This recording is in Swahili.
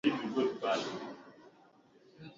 Rais amefungua ofisi